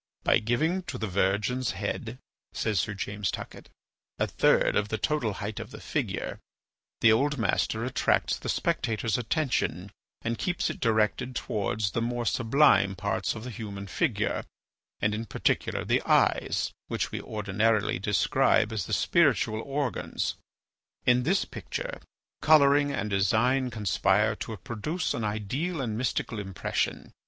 "By giving to the Virgin's head," says Sir James Tuckett, "a third of the total height of the figure, the old master attracts the spectator's attention and keeps it directed towards the more sublime parts of the human figure, and in particular the eyes, which we ordinarily describe as the spiritual organs. In this picture, colouring and design conspire to produce an ideal and mystical impression.